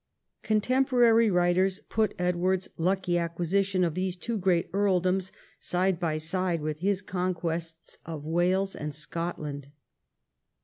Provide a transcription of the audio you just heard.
Contemporary writers put Edward's lucky acquisition of these two great earldoms side by side with his conquests of Wales and Scotland.